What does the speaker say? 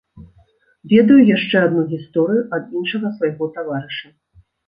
Ведаю яшчэ адну гісторыю ад іншага свайго таварыша.